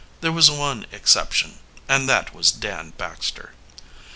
There was one exception, and that was Dan Baxter.